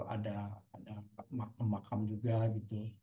ada makam juga gitu